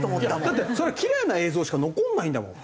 だってそりゃキレイな映像しか残らないんだもん。